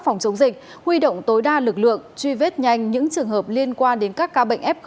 phòng chống dịch huy động tối đa lực lượng truy vết nhanh những trường hợp liên quan đến các ca bệnh f một